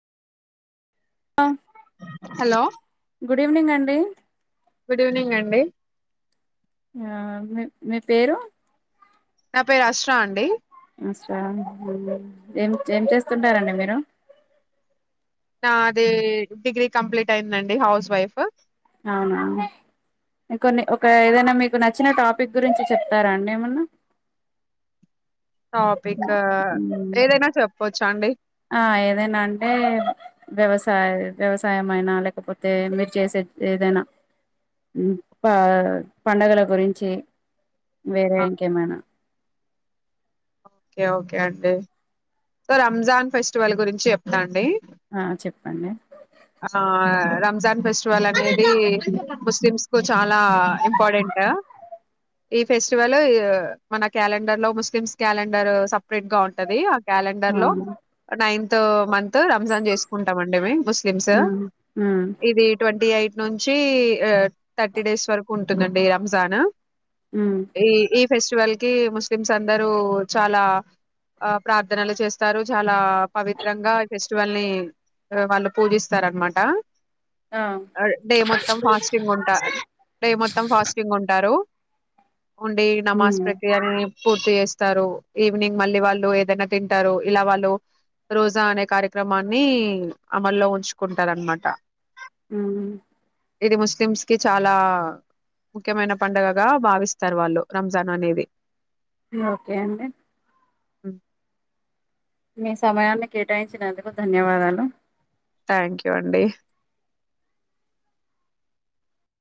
hello hello good evening అండి good evening అండి ఆ మీ మీ పేరు నా పేరు అస్త్ర అండి అ ఏం ఏం చేస్తుంటారండి మీరు నా అది డిగ్రీ కంప్లీట్ అయిందండి హౌస్ వైఫ్ అవునా కొన్ని ఒక ఏదైనా మీకు నచ్చిన టాపిక్ గురించి చెప్తారా అండి ఏమన్నా టాపిక్ ఏదైనా చెప్ప పో చాడి ఆ ఏదైనా అంటే వ్యవసాయ వ్యవసాయంమయినా లేకపోతే మీరు చేసే ఏదైనా ప పండుగల గురించి వేర ఆ ఇంకా ఎమ్ అయిన ఓకే ఓకే అండి సో రంజాన్ ఫెస్టివల్ గురించి చెప్తాండి ఆ చెప్పండి రంజాన్ ఫెస్టివల్ అనేది ముస్లిమ్స్ కు చాలా ఇంపార్టెంట్ ఈ ఫెస్టివల్ మన క్యాలెండర్ లో ముస్లిమ్స్ క్యాలెండర్ సపరేట్ గా ఉంటది ఆ క్యాలెండర్ లో నైన్త్ తో మ త్ రంజాన్ చేసుకుంటామండి ముస్లిమ్స్ ఉమ్ ఉమ్ ఇది ట్వంటీ ఎయిట్ నుంచి థర్టీ డేస్ వరకు ఉంటుందండి రంజాన్ ఉమ్ ఈ ఫెస్టివల్ కి ముస్లిమ్స్ అందరూ చాలా ఆ ప్రార్థనలు చేస్తారు చాలా పవిత్రంగా ఫె స్టీవల్ ని వాళ్ళు పూజిస్తారనమాట ఆ డే మొత్తం ఫాస్టింగ్ ఉంటా డే మొత్తం ఫాస్టింగ్ ఉంటారు ఉండే నమాజ్ ఉమ్ ప్రక్రియని పూర్తి చేస్తారు ఈవినింగ్ మళ్ళీ వాళ్ళు ఏదైనా తింటారు ఇలా వాళ్ళు రోజా అనే కార్యక్రమాన్ని అమల్లో ఉంచుకుంటారు అనమాట ఉమ్ ఇది ముస్లిమ్స్ కి చాలా ముఖ్యమైన పండుగగా భావిస్తారు వాళ్ళు రంజాన్ అనేది ఓకే అండి హ్ మీ సమయాన్ని కేటాయించినందుకు ధన్యవాదాలు థ్యాంక్ యూ అండి